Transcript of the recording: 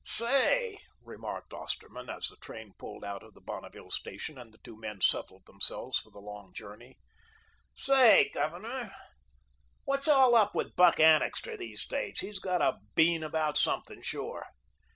"Say," remarked Osterman, as the train pulled out of the Bonneville station, and the two men settled themselves for the long journey, "say Governor, what's all up with Buck Annixter these days? He's got a bean about something, sure."